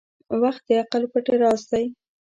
• وخت د عقل پټ راز دی.